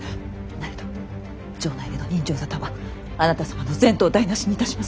なれど城内での刃傷沙汰はあなた様の前途を台なしにいたします。